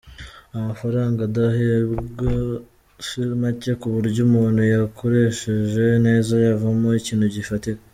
Amafaranga duhembwa si make ku buryo umuntu ayakoresheje neza yavamo ikintu gifatika.